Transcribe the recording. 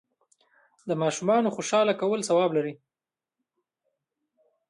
د ماشومانو خوشحاله کول ثواب لري.